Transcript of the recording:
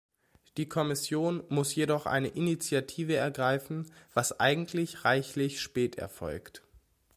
Die Kommission muss jedoch eine Initiative ergreifen, was eigentlich reichlich spät erfolgt.